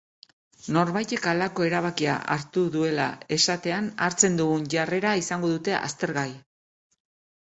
Norbaitek halako erabakia hartu duela esatean hartzen dugun jarrera izango dute aztergai.